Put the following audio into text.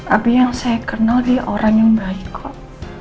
abi yang saya kenal dia orang yang baik pak